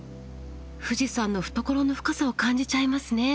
富士山の懐の深さを感じちゃいますね。